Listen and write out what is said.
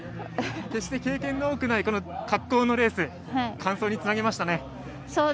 決して経験が多くない滑降のレース完走につなげましたね。